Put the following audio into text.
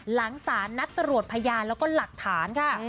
หลังสารนัดตรวจพยานแล้วก็หลักฐานค่ะ